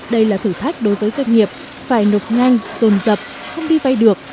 đây là thử thách đối với doanh nghiệp phải nộp nhanh rồn rập không đi vay được